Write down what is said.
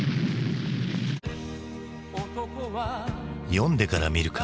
「読んでから見るか。